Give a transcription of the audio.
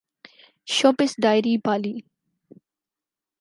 showbiz diary Bali